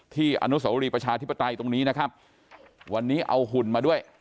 อนุสวรีประชาธิปไตยตรงนี้นะครับวันนี้เอาหุ่นมาด้วย